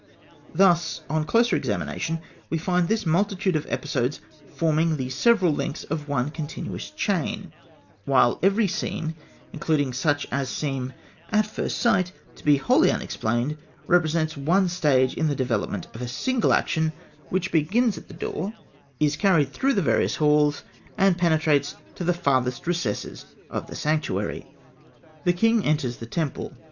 Thus, on closer examination, we find this multitude of episodes forming the several links of one continuous chain, while every scene, including such as seem at first sight to be wholly unexplained, represents one stage in the development of a single action which begins at the door, is carried through the various halls, and penetrates to the farthest recesses of the sanctuary. The king enters the temple.